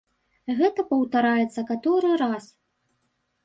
Гэта паўтараецца каторы раз.